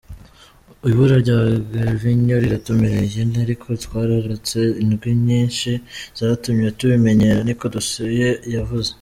"Ibura rya Gervinho riraturemereye ariko twararonse indwi nyinshi zatumye tubimenyera," niko Dussuyer yavuze.